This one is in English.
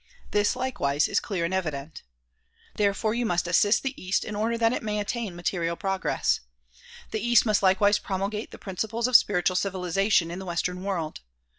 This likewise is clear and evident. Therefore you must assist the east in order that it may attain material progress. The east must likewise promulgate the principles of spiritual civilization in the western world.